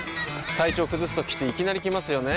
体調崩すときっていきなり来ますよね。